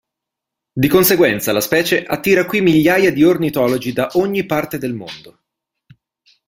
Di conseguenza la specie attira qui migliaia di ornitologi da ogni parte del mondo.